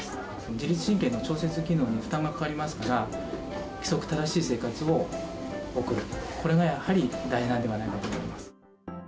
自律神経の調節機能に負担がかかりますから、規則正しい生活を送る、これがやはり大事なんではないかと思います。